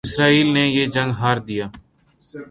اسرائیل نے یہ جنگ ہار دیا